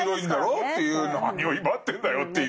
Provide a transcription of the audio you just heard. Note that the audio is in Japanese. なにを威張ってんだよっていう。